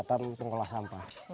bantuan perawatan pengelola sampah